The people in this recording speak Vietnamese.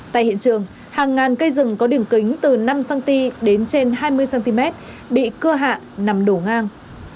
tại hiện trường hàng ngàn cây rừng có đường kính từ năm cm đến trên hai mươi cm bị cưa hạ nằm đổ ngang